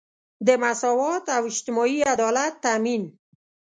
د مساوات او اجتماعي عدالت تامین.